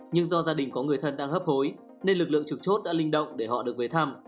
nhưng do gia đình có người thân đang hấp hối nên lực lượng trực chốt đã linh động để họ được về thăm